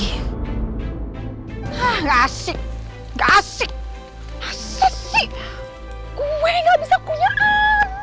hah gak asik gak asik asik sih kue gak bisa punya